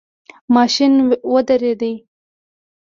ماشین ویریده.